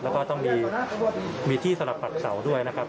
แล้วก็ต้องมีที่สำหรับปัดเสาด้วยนะครับ